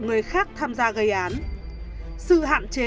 người khác tham gia gây án sự hạn chế